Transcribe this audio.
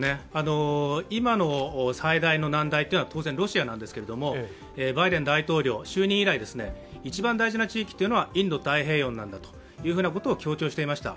今の最大の難題は当然ロシアなんですけれども、バイデン大統領、就任以来一番大事な地域っていうのはインド太平洋なんだって強調していました。